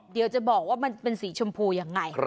เดี๋ยวจะบอกว่ามันเป็นสีชมพูยังไง